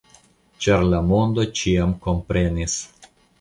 Ĉar la mondo ĉiam komprenis.